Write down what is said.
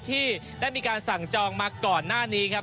ที่ได้มีการสั่งจองมาก่อนหน้านี้ครับ